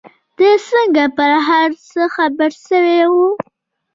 دى څنگه پر هر څه خبر سوى و.